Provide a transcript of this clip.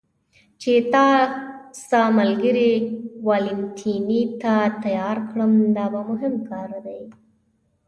چې تا ستا ملګري والنتیني ته تیار کړم، دا مهم کار دی.